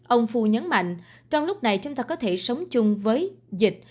ông phu nhấn mạnh trong lúc này chúng ta có thể sống chung với dịch